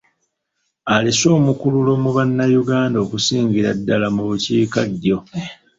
Alese omukululo mu bannanyuganda okusingira ddala mu bukiikaddyo.